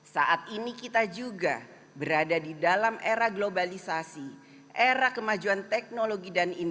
saat ini kita juga berada di dalam era globalisme dan kita harus mencari kemampuan untuk membangun bangsa dan negara kita